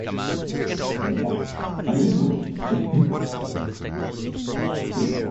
This technique was first described by Bill Hibbard and Dave Santek.